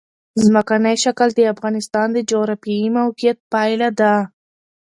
ځمکنی شکل د افغانستان د جغرافیایي موقیعت پایله ده.